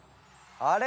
あれ？